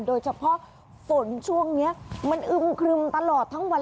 โดยเฉพาะฝนช่วงนี้มันอึมครึมตลอดทั้งวัน